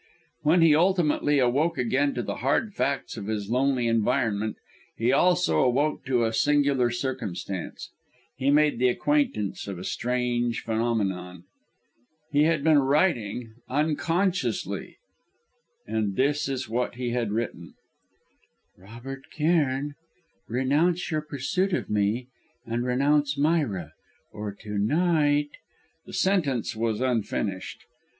When he ultimately awoke again to the hard facts of his lonely environment, he also awoke to a singular circumstance; he made the acquaintance of a strange phenomenon. He had been writing unconsciously! And this was what he had written: "Robert Cairn renounce your pursuit of me, and renounce Myra; or to night " The sentence was unfinished.